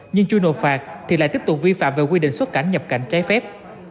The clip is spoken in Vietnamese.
nhưng chưa nộp phạt thì lại tiếp tục vi phạm về quy định xuất cảnh nhập cảnh trái phép